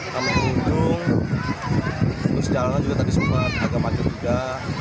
kami kunjung terus jalannya juga tadi sempat agak panjang juga